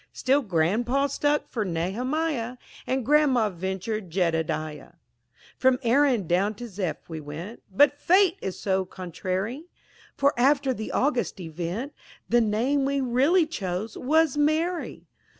Still grandpa stuck for Nehemiah, And grandma ventured Jedediah. From Aaron down to Zeph we went, But Fate is so contrary! For after the august event The name we really chose was Mary!